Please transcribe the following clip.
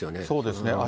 そうですね。